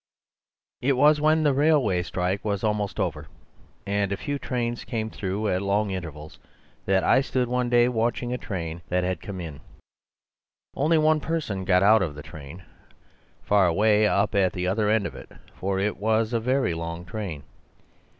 "It was when the railway strike was almost over, and a few trains came through at long intervals, that I stood one day watching a train that had come in. Only one person got out of the train, far away up at the other end of it, for it was a very long train.